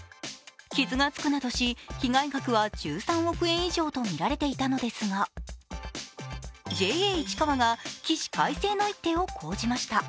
傷がつくなどし、被害額は１３億円以上とみられていたのですがＪＡいちかわが起死回生の一手を講じました。